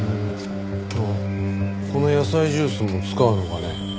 あっこの野菜ジュースも使うのかね？